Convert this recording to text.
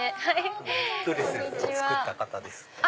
こちらがドレス作った方です。